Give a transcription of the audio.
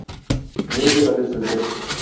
Нинди гаделсезлек!